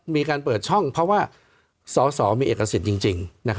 มีการเปิดช่องเพราะว่าสอสอมีเอกสิทธิ์จริง